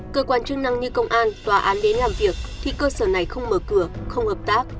cơ quan chức năng như công an tòa án đến làm việc thì cơ sở này không mở cửa không hợp tác